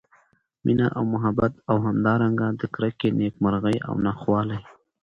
مېنه او محبت او همدا رنګه د کرکي، نیک مرغۍ او نا خوالۍ